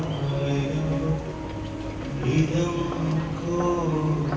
สวัสดีครับสวัสดีครับ